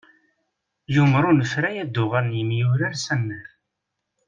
Yumer unefray ad d-uɣalen yemyurar s annar.